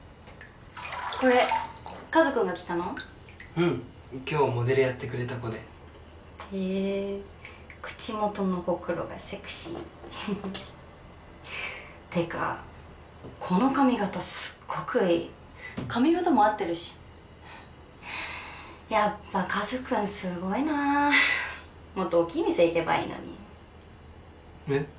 うん今日モデルやってくれた子でへぇ口元のほくろがセクシーってかこの髪形すっごくいい髪色とも合ってるしやっぱかずくんすごいなもっと大っきい店行けばいいのにえっ？